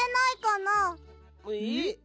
えっ？